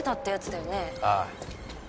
ああ。